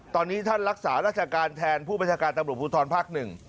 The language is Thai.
ตอนนี้ท่านรักษาราชการแทนผู้บัญชาการตำรวจภูทรภาค๑